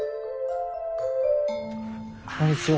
こんにちは。